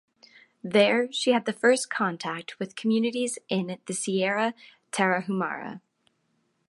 There she had the first contact with communities in the Sierra Tarahumara.